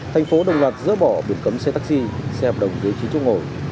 thành phố đồng loạt dỡ bỏ biển cấm xe taxi xe hợp đồng dưới chính trung ngồi